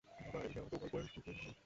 বাবা, এই নাও, তোমার বয়স্ক ফোন ধরো।